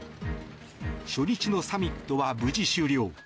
初日のサミットは無事終了。